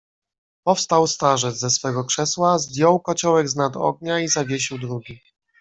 "Powstał starzec ze swego krzesła, zdjął kociołek z nad ognia i zawiesił drugi."